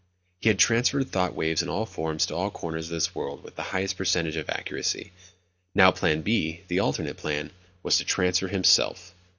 He had transferred thought waves in all forms to all corners of this world with the highest percentage of accuracy. Now Plan B, the alternate plan, was to transfer himself!